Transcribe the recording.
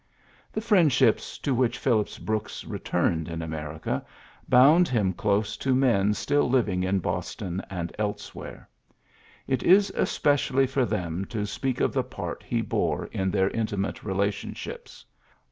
The friendships to which Phillips Brooks returned in America bound him close to men still living in Boston and elsewhere. It is especially for them to speak of the part he bore in their inti mate relationships.